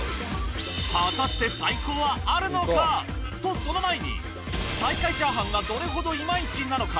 果たして最高はあるのか？とその前に最下位チャーハンがどれほどイマイチなのか？